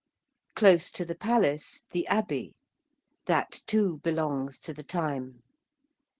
Close to the Palace, the Abbey. That too belongs to the time.